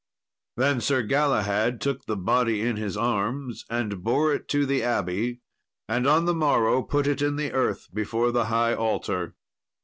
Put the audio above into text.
Then Sir Galahad took the body in his arms and bore it to the abbey, and on the morrow put it in the earth before the high altar.